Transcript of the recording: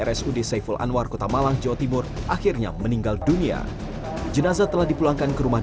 rsud saiful anwar kota malang jawa timur akhirnya meninggal dunia jenazah telah dipulangkan ke rumah